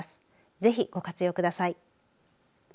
ぜひ、ご活用ください。